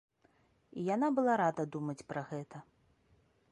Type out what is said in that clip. І яна была рада думаць пра гэта.